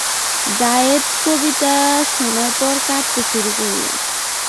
যায়েদ কবিতা শোনার পর কাঁদতে শুরু করলেন।